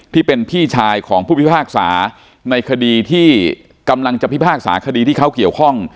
ที่เป็นพี่ชายของผู้พิพากษาในคดีที่กำลังจะพิพากษาคดีที่เขาเกี่ยวข้อง